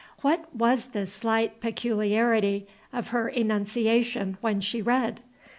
What was the slight peculiarity of her enunciation, when she read?